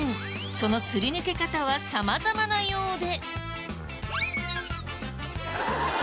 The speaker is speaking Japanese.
そのすり抜け方は様々なようで。